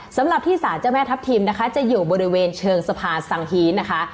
สำหรับที่สารเจ้าแม่ทัพทิมนะคะจะอยู่บริเวณเชิงสะพานสังฮีนะคะ